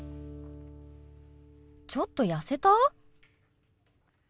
ちょっとやせた？